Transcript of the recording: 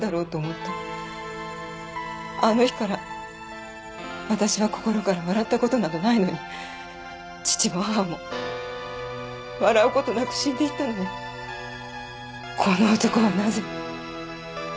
あの日から私は心から笑った事などないのに父も母も笑う事なく死んでいったのにこの男はなぜ。